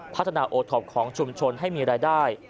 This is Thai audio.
พัฒนาโอท็อปของชุมชนให้มีรายได้